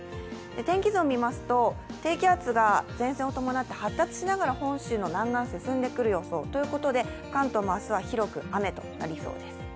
天気図を見ますと低気圧が前線を伴って発達しながら本州をだんだん進んでくる予想ということで関東は今夜、広く雨となりそうです